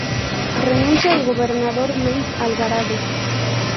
Renuncia el gobernador Luis Alvarado.